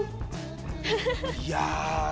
いや。